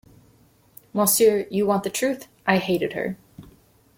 Monsieur, you want the truth — I hated her!